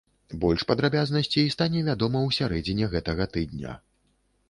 Больш падрабязнасцей стане вядома ў сярэдзіне гэтага тыдня.